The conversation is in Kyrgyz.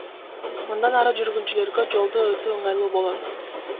Мындан ары жүргүнчүлөргө жолду өтүү ыңгайлуу болот.